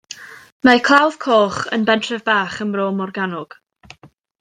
Mae Clawdd Coch yn bentref bach ym Mro Morgannwg.